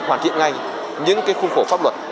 hoàn thiện ngay những khuôn khổ pháp luật